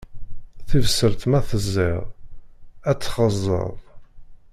Tibṣelt ma tẓiḍ, ad tt-tɣeẓẓeḍ.